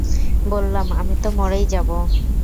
বললাম, আমি তো মরেই যাব!